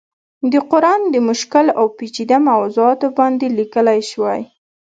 د قرآن د مشکل او پيچيده موضوعاتو باندې ليکلی شوی